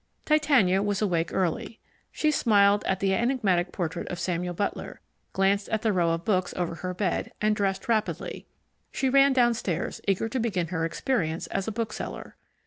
Titania was awake early. She smiled at the enigmatic portrait of Samuel Butler, glanced at the row of books over her bed, and dressed rapidly. She ran downstairs, eager to begin her experience as a bookseller.